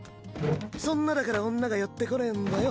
そんなだから女が寄ってこねぇんだよ。